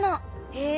へえ。